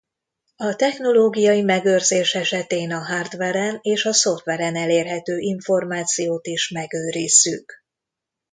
A technológiai megőrzés esetén a hardveren és a szoftveren elérhető információt is megőrizzük.